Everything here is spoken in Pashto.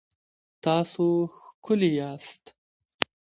تاسو ښکلي یاست